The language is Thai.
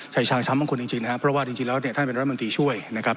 ชายชางช้ำของคุณจริงจริงนะครับเพราะว่าจริงจริงแล้วเนี่ยท่านเป็นลำมันตรีช่วยนะครับ